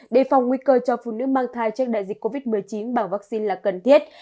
đề phòng nguy cơ cho phụ nữ mang thai trước đại dịch covid một mươi chín bằng vaccine là cần thiết